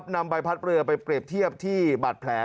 นำใบพัดเรือไปเปรียบเทียบที่บาดแผล